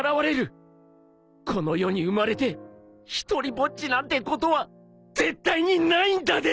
この世に生まれて一人ぼっちなんてことは絶対にないんだで！